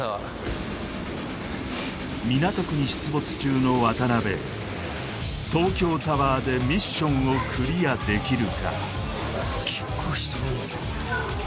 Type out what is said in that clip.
港区に出没中の渡辺東京タワーでミッションをクリアできるか？